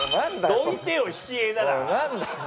どいてよ引き画なら。